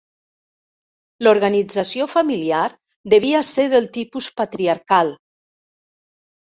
L'organització familiar devia ser del tipus patriarcal.